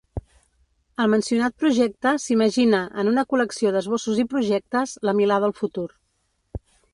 Al mencionat projecte s'imagina, en una col·lecció d'esbossos i projectes, la Milà del futur.